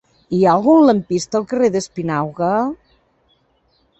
Hi ha algun lampista al carrer d'Espinauga?